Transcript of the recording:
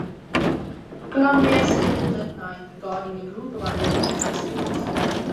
"Columbia" sailed that night, guarding a group of unloaded transports.